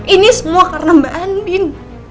ini semua karena mbak andim